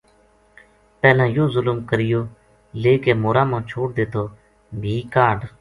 پہلاں یوہ ظلم کریو لے کے مورا ما چھوڑ دِتو بھی کاہڈ